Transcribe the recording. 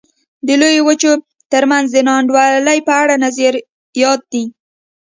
د لویو وچو ترمنځ د نا انډولۍ په اړه نظریات دي.